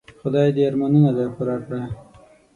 خدای دي ارمانونه در پوره کړه .